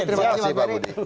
terima kasih pak budi